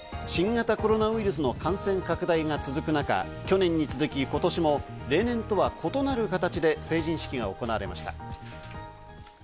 新型コロナウイルスの感染拡大が続く中、去年に続き、今年も例年とは異なる形で成人式が行われました。